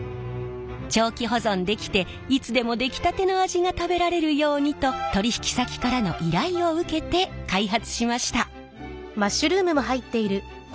長期保存できていつでも出来たての味が食べられるようにと取引先からの依頼を受けて開発しました。